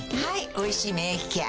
「おいしい免疫ケア」